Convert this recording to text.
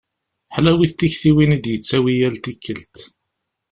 Ḥlawit tiktiwin i d-yettawi yal tikkelt.